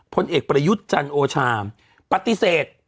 พลเอกประยุทธ์จันโอชาปฏิเสธ